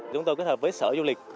chúng tôi kết hợp với sở du lịch